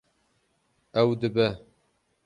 Ew dibe.